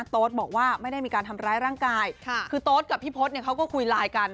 โต๊ดบอกว่าไม่ได้มีการทำร้ายร่างกายคือโต๊ดกับพี่พศเนี่ยเขาก็คุยไลน์กัน